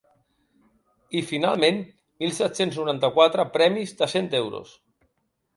I, finalment, mil set-cents noranta-quatre premis de cent euros.